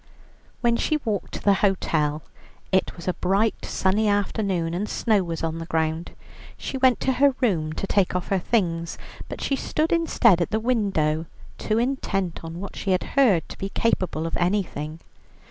When she walked to the hotel, it was a bright, sunny afternoon, and snow was on the ground. She went to her room to take off her things, but she stood instead at the window, too intent on what she had heard to be capable of anything.